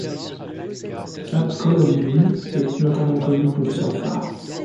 Cape Columbine est notamment connu pour son phare.